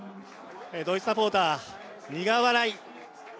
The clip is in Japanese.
ドイツサポーター、苦笑い。